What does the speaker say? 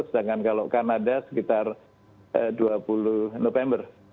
sedangkan kalau kanada sekitar dua puluh november